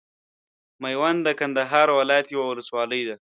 ميوند د کندهار ولايت یوه ولسوالۍ ده.